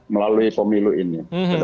melalui pemilu ini